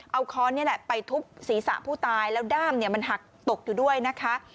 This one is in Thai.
เอาค้อนนี่แหละไปทุบศีรษะผู้ตายแล้วด้ามเนี่ยมันหักตกอยู่ด้วยนะคะ